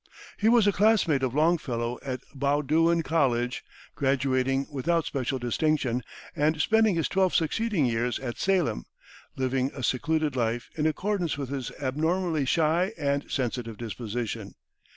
He was a classmate of Longfellow at Bowdoin College, graduating without especial distinction, and spending the twelve succeeding years at Salem, living a secluded life in accordance with his abnormally shy and sensitive disposition.